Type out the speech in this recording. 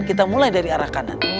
kita mulai dari arah kanan